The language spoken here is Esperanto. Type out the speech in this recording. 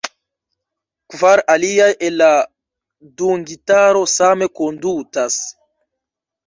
Kvar aliaj el la dungitaro same kondutas.